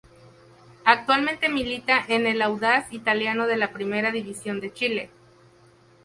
Actualmente milita en el Audax Italiano de la Primera División de Chile.